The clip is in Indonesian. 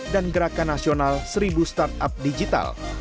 dan gerakan nasional seribu startup digital